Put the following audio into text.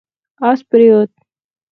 اس پرېووت